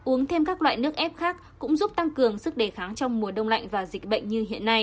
uống thêm các loại nước ép khác cũng giúp tăng cường sức đề kháng trong mùa đông lạnh và dịch bệnh như hiện nay